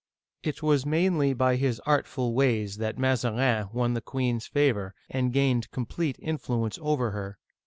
It was mainly by his artful ways that Mazarin won the queen's favor, and gained complete influence over her.